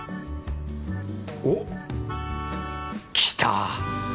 おっ来た！